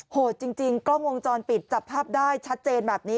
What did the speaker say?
โหดจริงกล้องวงจรปิดจับภาพได้ชัดเจนแบบนี้